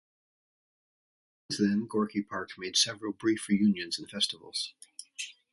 Since then, Gorky Park made several brief re-unions in festivals.